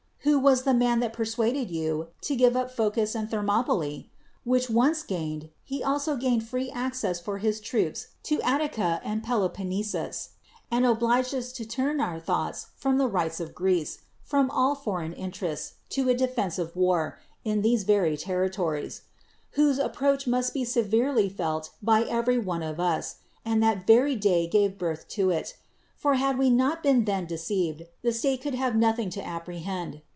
AVho was the man that persuad<Ml you to givt> up Phocis and Thermopyke? which once gained, he also gained free access i'or liis troops to At tica and to Peloponnesus, and uli'iged us to turn THE WORLD'S FAMOUS ORATIONS our thoughts from the rights of Greece, from all foreign interests, to a defensive war, in these very territories; whose approach must be severe ly felt by every one of us; and that very day gave birth to it; for had we not been then de ceived, the state could have nothing to appre hend.